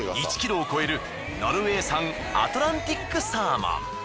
１ｋｇを超えるノルウェー産アトランティックサーモン。